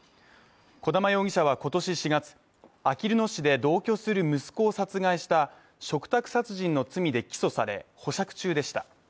小玉容疑者は今年４月あきる野市で同居する息子を殺害した嘱託殺人の罪で起訴され保釈中でした。